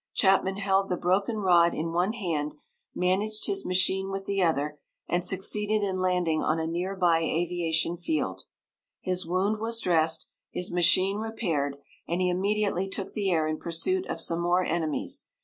Chapman held the broken rod in one hand, managed his machine with the other, and succeeded in landing on a near by aviation field. His wound was dressed, his machine repaired, and he immediately took the air in pursuit of some more enemies.